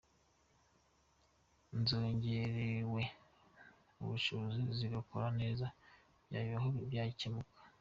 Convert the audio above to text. Zongerewe ubushobozi, zigakora neza, bya bibazo byakemuka.